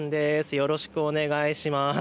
よろしくお願いします。